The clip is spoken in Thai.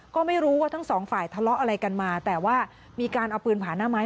ก็ไม่รู้ว่าทั้งสองฝ่ายทะเลาะอะไรกันมาแต่ว่ามีการเอาปืนผ่านหน้าไม้